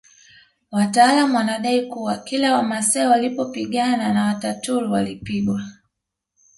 Wataalamu wanadai kuwa kila Wamasai walipopigana na Wataturu walipigwa